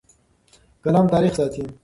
قلم تاریخ ساتي.